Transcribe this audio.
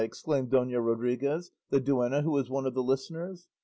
exclaimed Dona Rodriguez, the duenna, who was one of the listeners.